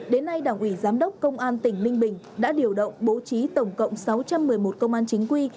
đến nay đảng ủy giám đốc công an tỉnh ninh bình đã điều động bố trí tổng cộng sáu trăm một mươi một công an chính quy